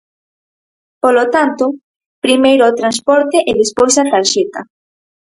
Polo tanto, primeiro o transporte e despois a tarxeta.